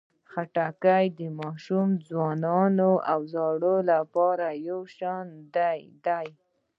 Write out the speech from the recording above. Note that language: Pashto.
خټکی د ماشوم، ځوان او زاړه لپاره یو شان ده.